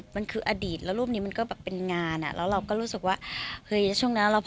มันคืออดีตแล้วรูปนี้มันก็แบบเป็นงานอ่ะแล้วเราก็รู้สึกว่า